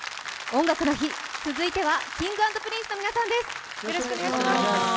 「音楽の日」、続いてはＫｉｎｇ＆Ｐｒｉｎｃｅの皆さんです。